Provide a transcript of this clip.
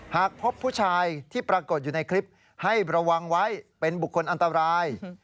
หากพบผู้ชายที่ปรากฏอยู่ในคลิปให้ระวังไว้เป็นบุคคลอันตราย